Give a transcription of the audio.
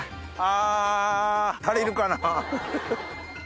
あ足りるかな。